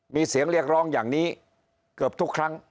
มีเสียงเรียกร้องอย่างนี้เกือบทุกครั้ง